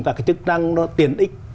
cả cái chức năng nó tiến ích